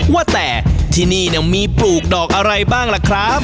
ว่าแต่ที่นี่มีปลูกดอกอะไรบ้างล่ะครับ